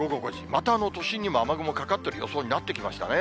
また、都心にも雨雲かかってる予想になってきましたね。